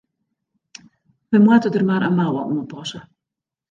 We moatte der mar in mouwe oan passe.